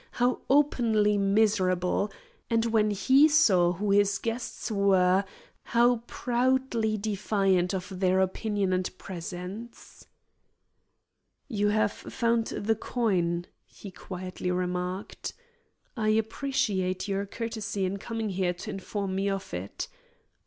how openly miserable! and when he saw who his guests were, how proudly defiant of their opinion and presence. "You have found the coin," he quietly remarked. "I appreciate your courtesy in coming here to inform me of it.